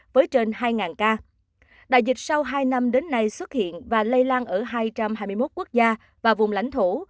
với trên hai ca đại dịch sau hai năm đến nay xuất hiện và lây lan ở hai trăm hai mươi một quốc gia và vùng lãnh thổ